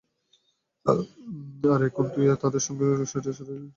আর এখন তুই আমাদের সুখের জন্য সেটা ছেড়ে দিচ্ছিস?